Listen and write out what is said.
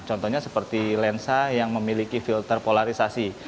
contohnya seperti lensa yang memiliki filter polarisasi